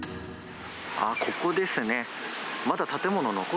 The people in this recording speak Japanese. あー、ここですね。